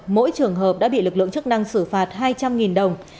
mỗi trường hợp đã bị lực lượng chức năng xử phạt hai trăm linh đồng